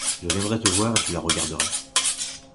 Je viendrais te voir et tu la regarderais.